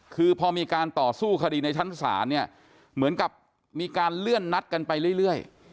คือพอมีการต่อสู้คดีในชั้นศาลเนี่ยเหมือนกับมีการเลื่อนนัดกันไปเรื่อย